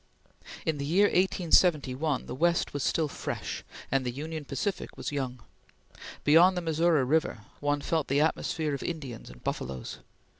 In the year 1871, the West was still fresh, and the Union Pacific was young. Beyond the Missouri River, one felt the atmosphere of Indians and buffaloes.